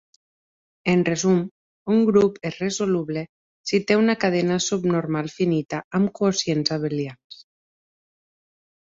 En resum, un grup és resoluble si té una cadena subnormal finita amb quocients abelians.